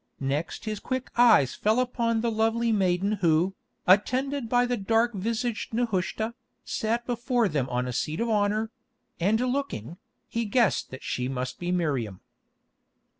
Next his quick eyes fell upon the lovely maiden who, attended by the dark visaged Nehushta, sat before them on a seat of honour; and looking, he guessed that she must be Miriam.